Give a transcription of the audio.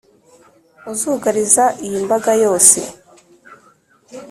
uzugariza iyi mbaga yose